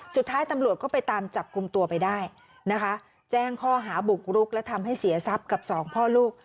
สุดท้ายตำรวจก็ไปตามจับกลุ่มตัวไปได้นะคะแจ้งข้อหาบุกรุกและทำให้เสียทรัพย์กับสองพ่อลูก